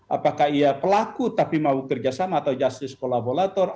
apakah ia pelaku tapi mau kerja sama atau justice collaborator